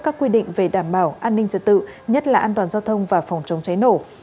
các quy định về đảm bảo an ninh trật tự nhất là an toàn giao thông và phòng chống cháy nổ